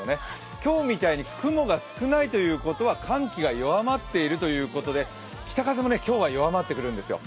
今日みたいに雲が少ないということは寒気が弱まっているということで北風も今日は弱まってくるんですよ。